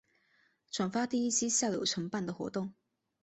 转发第一期校友承办的活动